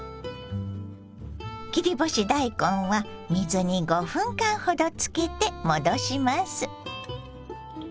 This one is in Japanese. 切り干し大根は水に５分間ほどつけて戻します。